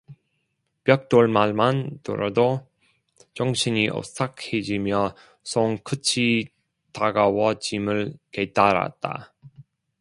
벽돌 말만 들어도 전신이 오싹해지며 손끝이 따가워짐을 깨달았다.